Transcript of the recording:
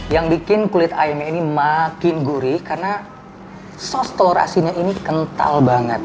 yang bikin kulit ayam ini makin gurih karena sos telur asinnya ini kental banget